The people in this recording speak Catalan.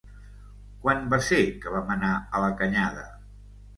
Quan va ser que vam anar a la Canyada?